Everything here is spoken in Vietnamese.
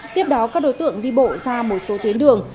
tiếp đó các đối tượng đi bộ ra một số tuyến đường